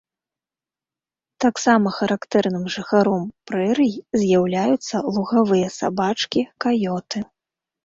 Таксама характэрным жыхаром прэрый з'яўляюцца лугавыя сабачкі, каёты.